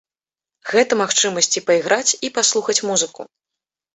Гэта магчымасць і пайграць, і паслухаць музыку.